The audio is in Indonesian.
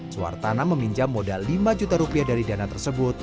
suartana meminjam modal rp lima juta dari dana tersebut